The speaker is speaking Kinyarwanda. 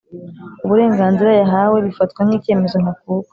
uburenganzira yahawe bifatwa nkicyemezo ntakuka